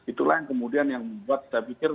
nah itulah yang kemudian yang membuat kita berpikir